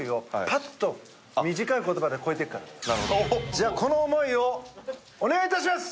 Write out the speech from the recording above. じゃあこの思いをお願い致します！